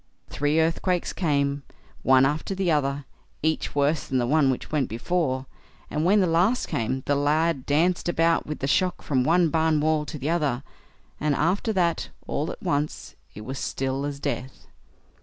Three earthquakes came, one after the other, each worse than the one which went before, and when the last came, the lad danced about with the shock from one barn wall to the other; and after that, all at once, it was still as death.